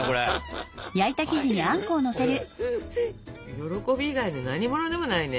喜び以外の何ものでもないね